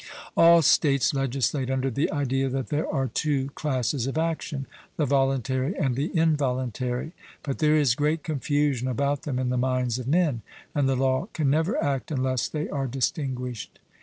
All states legislate under the idea that there are two classes of actions, the voluntary and the involuntary, but there is great confusion about them in the minds of men; and the law can never act unless they are distinguished.